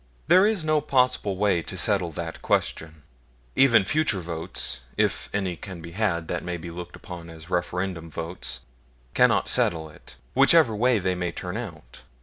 There is no possible way to settle that question. Even future votes, if any can be had that may be looked upon as referendum votes, cannot settle it, whichever way they may turn out.